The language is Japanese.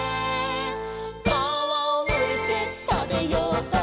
「かわをむいてたべようと」